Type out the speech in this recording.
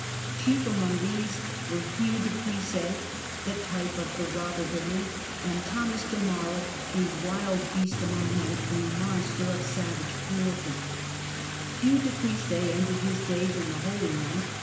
Chief among these were Hugue dii Puiset, the type of the robber baron, and Thomas de Marie, a wild beast among men, a monster of savage cruelty. Hugue du Puiset ended his days in the Holy Land.